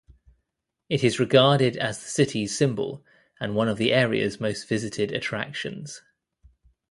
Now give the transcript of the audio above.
It is regarded as the city's symbol and one of the area's most-visited attractions.